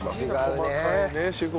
細かいね仕事。